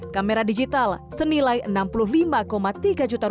kamera digital senilai rp enam puluh lima tiga juta